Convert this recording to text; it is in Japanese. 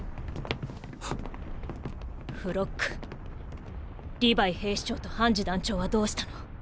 フロックリヴァイ兵士長とハンジ団長はどうしたの？